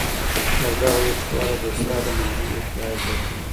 او دغه وچوالی د ساه د نالۍ ارتعاش زياتوي